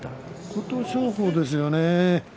琴勝峰ですよね。